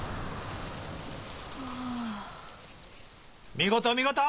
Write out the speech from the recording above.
見事見事！